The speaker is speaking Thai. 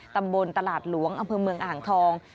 ตำบลตลาดหลวงอำเภอเมืองอ่างทอง